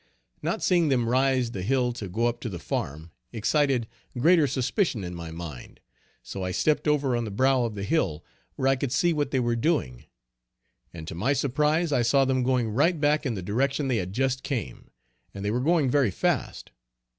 Not seeing them rise the hill to go up to the farm, excited greater suspicion in my mind, so I stepped over on the brow of the hill, where I could see what they were doing, and to my surprise I saw them going right back in the direction they had just came, and they were going very fast.